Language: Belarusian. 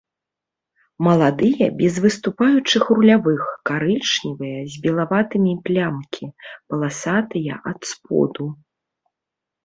Маладыя без выступаючых рулявых, карычневыя з белаватымі плямкі, паласатыя ад споду.